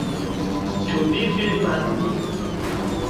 Ĉu vi filmas min?